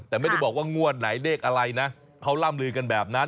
แต่ไม่ได้บอกว่างวดไหนเลขอะไรนะเขาร่ำลือกันแบบนั้น